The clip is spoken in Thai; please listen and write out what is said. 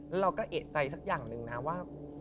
แล้วเราก็เอกใจสักอย่างหนึ่งนะว่า